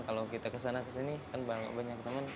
kalau kita kesana kesini kan banyak teman